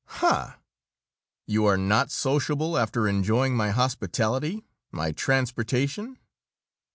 "Ha! You are not sociable, after enjoying my hospitality, my transportation?